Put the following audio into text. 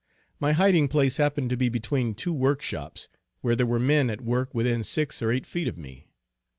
My hiding place happened to be between two workshops, where there were men at work within six or eight feet of me.